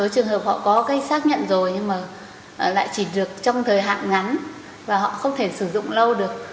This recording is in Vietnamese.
trường hợp họ có cái xác nhận rồi nhưng mà lại chỉ được trong thời hạn ngắn và họ không thể sử dụng lâu được